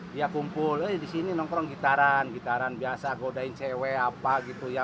dia kumpul di sini nongkrong gitaran gitaran biasa godain cewek apa gitu ya